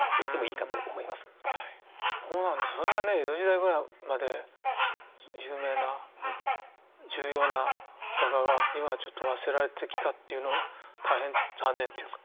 そんな江戸時代ぐらいまで有名な重要な画家が今ちょっと忘れられてきたというのは大変残念っていうか。